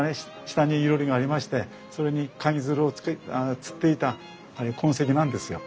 下に囲炉裏がありましてそれにかぎ蔓をつっていた痕跡なんですよ。